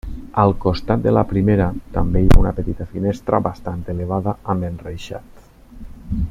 Al costat de la primera també hi ha una petita finestra, bastant elevada, amb enreixat.